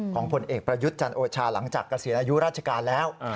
ผลเอกประยุทธ์จันโอชาหลังจากเกษียณอายุราชการแล้ว